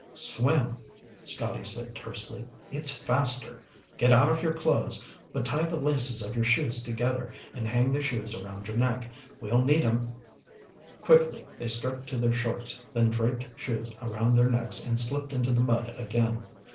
"Swim," Scotty said tersely. "It's faster. Get out of your clothes, but tie the laces of your shoes together and hang the shoes around your neck. We'll need 'em." Quickly they stripped to their shorts, then draped shoes around their necks and slipped into the mud again.